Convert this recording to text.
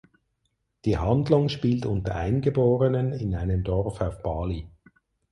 Die Handlung spielt unter Eingeborenen in einem Dorf auf Bali.